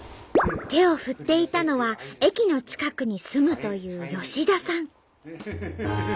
手を振っていたのは駅の近くに住むという吉田さん。